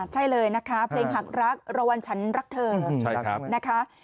ใช่เลยนะคะเพลงหักรักระวังฉันรักเธอนะคะ